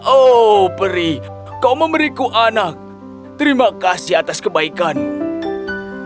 oh peri kau memberiku anak terima kasih atas kebaikanmu